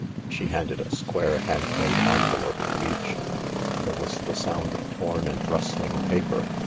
She handed a squarV hand made envelope to each. There was the sound of torn" and rustling paper.